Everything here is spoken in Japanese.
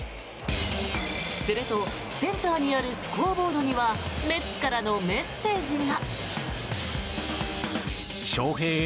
すると、センターにあるスコアボードにはメッツからのメッセージが。